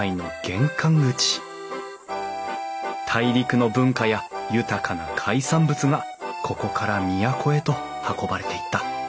大陸の文化や豊かな海産物がここから都へと運ばれていった。